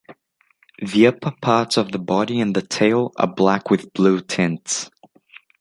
The upper parts of the body and the tail are black with blue tints.